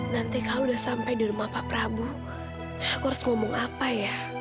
nanti kalau udah sampai di rumah pak prabu aku harus ngomong apa ya